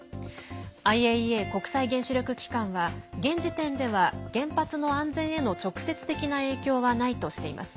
ＩＡＥＡ＝国際原子力機関は現時点では原発の安全への直接な影響はないとしています。